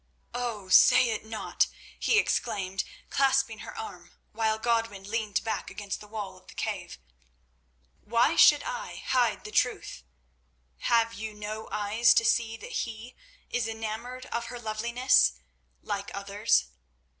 "Oh, say it not!" he exclaimed, clasping her arm, while Godwin leaned back against the wall of the cave. "Why should I hide the truth? Have you no eyes to see that he is enamoured of her loveliness—like others?